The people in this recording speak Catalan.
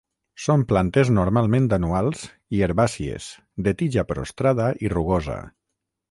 Són plantes normalment anuals i herbàcies de tija prostrada i rugosa.